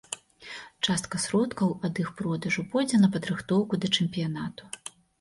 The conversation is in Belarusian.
Частка сродкаў ад іх продажу пойдзе на падрыхтоўку да чэмпіянату.